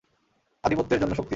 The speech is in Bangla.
আধিপত্যের জন্য শক্তি।